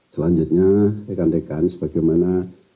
selanjutnya rekan rekan sebagaimana